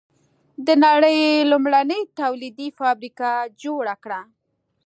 د نړۍ لومړنۍ تولیدي فابریکه جوړه کړه.